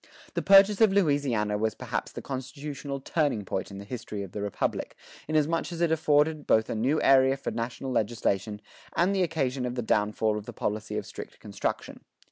The purchase of Louisiana was perhaps the constitutional turning point in the history of the Republic, inasmuch as it afforded both a new area for national legislation and the occasion of the downfall of the policy of strict construction.